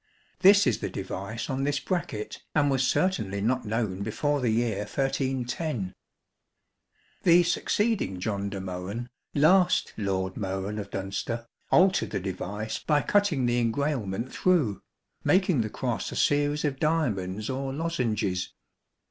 This is the device on this bracket and was certainly not known before the year 1310. The succeeding John de Mohun, last Lord Mohun of Dunster, altered the device by cutting the engrailment through, making the cross a series of diamonds or lozenges.